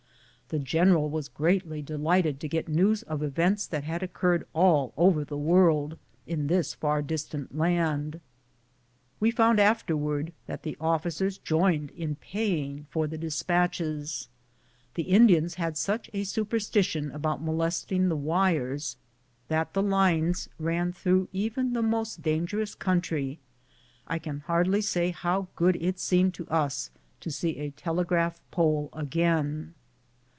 The general was greatly delighted to get news of events that had oc curred all over the world, in this far distant land. We found afterwards that the officers joined in paying for the despatches. The Indians had such a superstition about molesting the wires, that the lines ran through even the most dangerous country. I can hardly say how good it seemed to us to see a telegraph pole again.